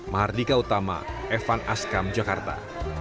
mahardika utama evan askam jakarta